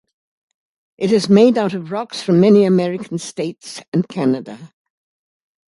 It is made out of rocks from many American states and Canada.